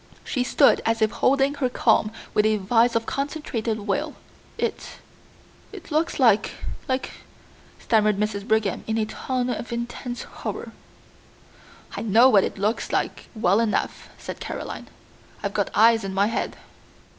She stood as if holding her calm with a vise of concentrated will. "It it looks like like " stammered Mrs. Brigham in a tone of intense horror. "I know what it looks like well enough," said Caroline. "I've got eyes in my head."